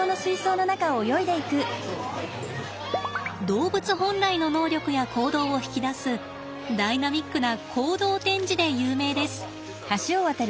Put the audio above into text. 動物本来の能力や行動を引き出すダイナミックな行動展示で有名です。